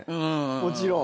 もちろん。